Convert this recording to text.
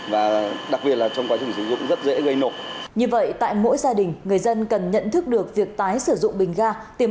và khi là khách hàng người dân cần nhận thức được việc tái sử dụng bình ga